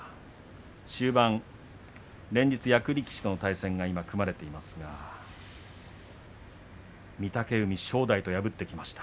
終盤、連日、役力士との対戦が組まれていますが御嶽海、正代と破ってきました。